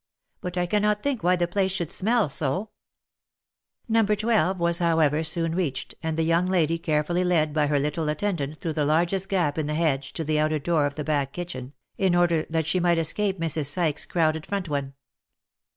But I cannot think why the place should smell so !" No 12 was however soon reached, and the young lady carefully led by her little attendant through the largest gap in the hedge to the outer door of the back kitchen, in order that she might escape Mrs. Sykes's crowded front one.